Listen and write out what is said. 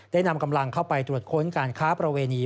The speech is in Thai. นำกำลังเข้าไปตรวจค้นการค้าประเวณี